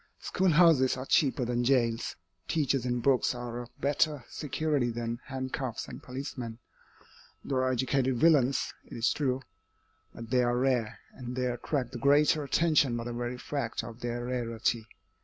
Schoolhouses are cheaper than jails, teachers and books are a better security than handcuffs and policemen. There are educated villains, it is true. But they are rare, and they attract the greater attention by the very fact of their rarity.